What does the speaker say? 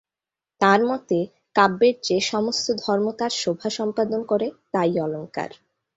তাঁর মতে, কাব্যের যে-সমস্ত ধর্ম তার শোভা সম্পাদন করে, তাই অলঙ্কার।